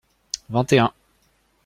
Vingt et un.